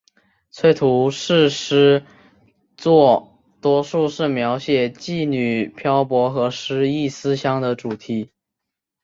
崔涂是诗作多数是描写羁旅漂泊和失意思乡的主题。